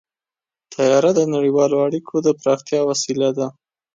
طیاره د نړیوالو اړیکو د پراختیا وسیله ده.